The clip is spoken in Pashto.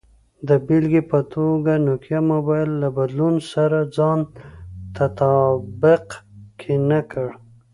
د بېلګې په توګه، نوکیا موبایل له بدلون سره ځان تطابق کې نه کړ.